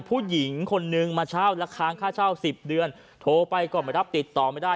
ผู้หญิงคนนึงมาเช่าและค้างค่าเช่าสิบเดือนโทรไปก็ไม่รับติดต่อไม่ได้